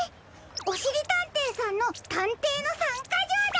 おしりたんていさんのたんていの３かじょうだ！